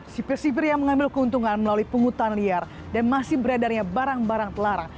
sipir sipir yang mengambil keuntungan melalui penghutan liar dan masih beredarnya barang barang telara